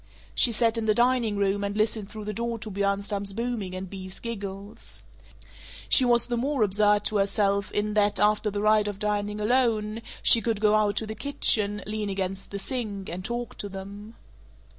She sat in the dining room and listened through the door to Bjornstam's booming and Bea's giggles. She was the more absurd to herself in that, after the rite of dining alone, she could go out to the kitchen, lean against the sink, and talk to them.